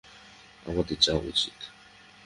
আমাদের যাওয়া উচিত।